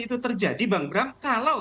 itu terjadi bang bram kalau